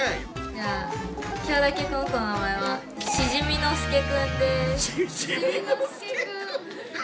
じゃあ今日だけこの子の名前はしじみのすけくん。